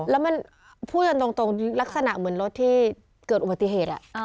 แล้วมันพูดกันตรงลักษณะเหมือนรถที่เกิดอุบัติเหตุ